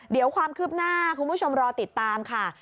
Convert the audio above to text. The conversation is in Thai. เดี๋ยวความคืบหน้าคุณผู้ชมรอติดตามค่ะ